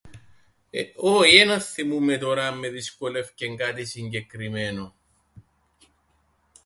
Ε, όι εν αθθυμούμαι τωρά αν με εδυσκόλευκεν κάτι συγκεκριμένον.